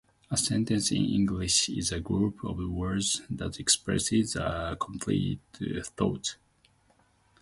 A sentence in English is a group of words that expresses a complete thought.